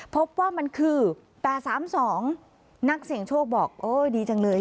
พบว่ามันคือแต่สามสองนักเสียงโชคบอกโอ้ยดีจังเลย